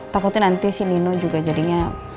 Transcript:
takutnya nanti si nino juga jadinya